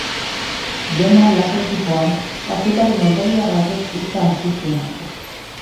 Dena lasai zihoan, kazetari norbegiar batek hitza hartu zuen arte.